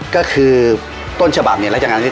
ก็คือต้นฉบับในราชการที่๒